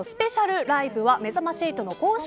スペシャルライブはめざまし８の